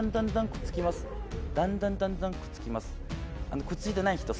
だんだんだんだんくっつきます。